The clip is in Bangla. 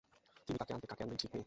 তিনি কাকে আনতে কাকে আনবেন ঠিক নেই।